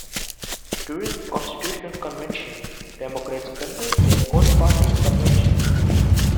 During the constitutional convention, Democrats convened their own party convention.